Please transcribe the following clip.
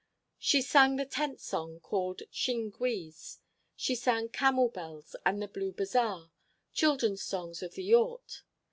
She sang the tent song called Tchinguiz. She sang Camel Bells and The Blue Bazaar,—children's songs of the Yiort.